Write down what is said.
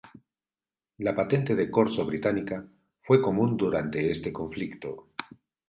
La patente de corso británica fue común durante este conflicto.